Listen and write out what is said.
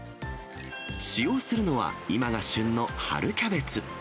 使用するのは、今が旬の春キャベツ。